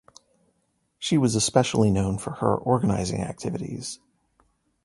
She was especially known for her organizing activities.